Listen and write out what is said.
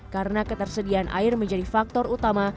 karena ketersediaan air menjadi faktor utama